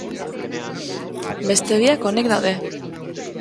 Beste biak onik daude.